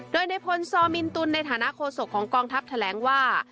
โดยในพลซอมินตุลในฐานะโฆษกของกองทัพแถลงว่า